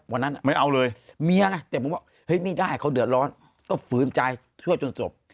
วันไม่เอาเลยเมียไม่ได้เขาเดือดร้อนก็ฝืนใจช่วยจนสบ